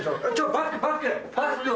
バッグ！